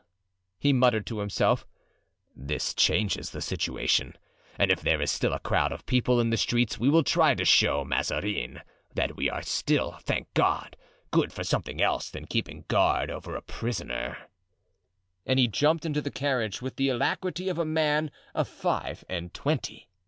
he muttered to himself, "this changes the situation, and if there is still a crowd of people in the streets we will try to show Mazarin that we are still, thank God, good for something else than keeping guard over a prisoner;" and he jumped into the carriage with the alacrity of a man of five and twenty.